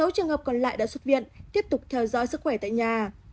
sáu trường hợp còn lại đã xuất viện tiếp tục theo dõi sức khỏe tại nhà